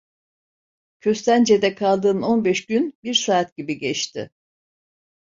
Köstence'de kaldığım on beş gün bir saat gibi geçti.